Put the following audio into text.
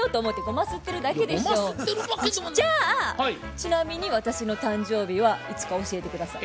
ちなみに私の誕生日はいつか教えて下さい。